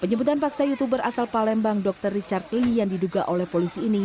penyebutan paksa youtuber asal palembang dr richard lee yang diduga oleh polisi ini